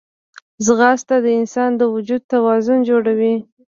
ځغاسته د انسان د وجود توازن جوړوي